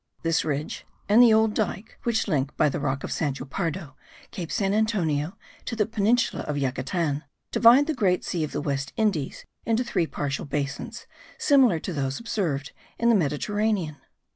This ridge, and the old dyke, which link, by the rock of Sancho Pardo, Cape San Antonio to the peninsula of Yucatan, divide the great sea of the West Indies into three partial basins, similar to those observed in the Mediterranean.